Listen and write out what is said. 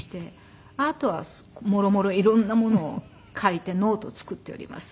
あとはもろもろ色んなものを書いてノートを作っております。